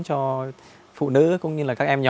cho phụ nữ cũng như các em nhỏ